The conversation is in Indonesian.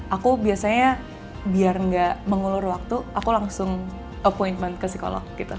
aku biasanya biar nggak mengulur waktu aku langsung appointment ke psikolog gitu